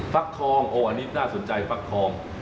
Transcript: ฟักทองโอ้อันนี้น่าสนใจฟักทอง